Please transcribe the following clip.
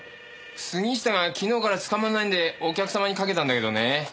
杉下が昨日からつかまらないんでお客様にかけたんだけどね。